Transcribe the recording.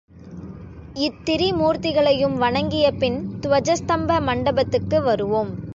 இத்திரிமூர்த்திகளையும் வணங்கியபின் துவஜஸ்தம்ப மண்டபத்துக்கு வருவோம்.